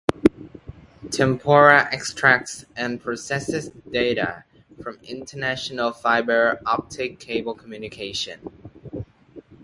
Tempora extracts and processes data from international fiber optic cable communications.